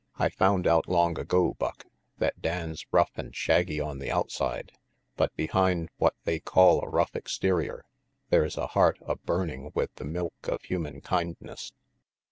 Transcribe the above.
I found out long ago, Buck, that Dan's rough and shaggy on the outside, but behind what they call a rough exterior there's a heart a burning with the milk of human kindness."